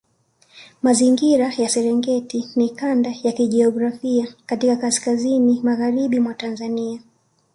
Mazingira ya Serengeti ni kanda ya kijiografia katika kaskazini magharibi mwa Tanzania